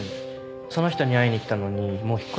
その人に会いに来たのにもう引っ越しちゃってて。